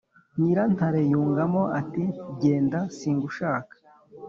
nyirantare yungamo ati: genda nsingushaka